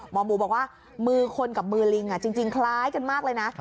หมอหมูบอกว่ามือคนกับมือลิงจริงคล้ายกันมากเลยนะ